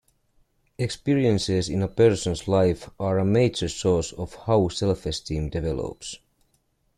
Experiences in a person's life are a major source of how self-esteem develops.